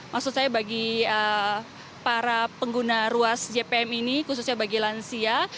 maksud saya bagi para pengguna ruas jpm ini khususnya bagi lansia